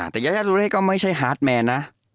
แต่ยายารุเน่ก็ไม่ใช่ฮาร์ดแมนนะ